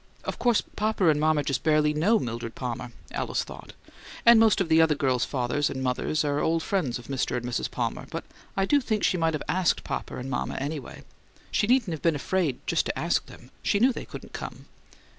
"Of course papa and mama just barely know Mildred Palmer," Alice thought, "and most of the other girls' fathers and mothers are old friends of Mr. and Mrs. Palmer, but I do think she might have ASKED papa and mama, anyway she needn't have been afraid just to ask them; she knew they couldn't come."